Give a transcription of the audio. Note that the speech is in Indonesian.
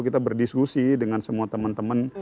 kita berdiskusi dengan semua teman teman